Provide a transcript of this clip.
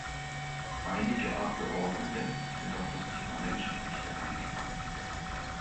Einige Abgeordnete sind auf das Thema Menschenrechte eingegangen.